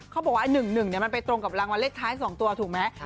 เขาบอกว่า๑๑มันไปตรงกับรางวัลเลขท้าย๒ตัวถูกไหม